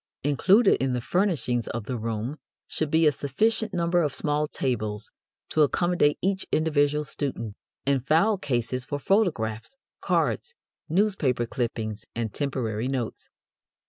Included in the furnishings of the room should be a sufficient number of small tables to accommodate each individual student, and file cases for photographs, cards, newspaper clippings, and temporary notes.